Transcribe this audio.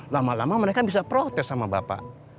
lama lama mereka bisa protes sama bapak